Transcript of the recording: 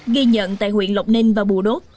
ghi nhận tại huyện lộc ninh và bùa đốt